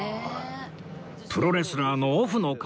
プロレスラーのオフの顔